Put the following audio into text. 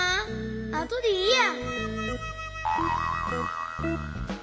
あとでいいや。